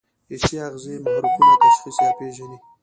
حسي آخذې محرکونه تشخیص یا پېژني.